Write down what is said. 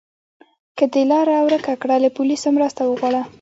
که د لاره ورکه کړه، له پولیسو مرسته وغواړه.